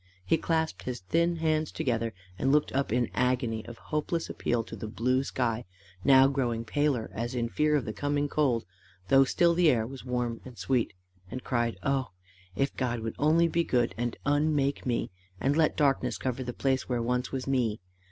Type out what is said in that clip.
He clasped his thin hands together, and looked up in an agony of hopeless appeal to the blue sky, now grown paler as in fear of the coming cold, though still the air was warm and sweet, and cried, "Oh! if God would only be good and unmake me, and let darkness cover the place where once was me!